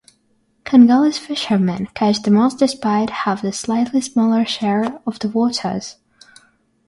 Congolese fishermen catch the most despite have the slightly smaller share of the waters.